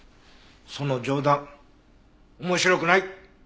その冗談面白くない。